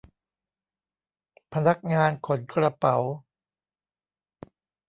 พนักงานขนกระเป๋า